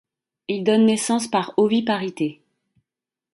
Il donne naissance par oviparité.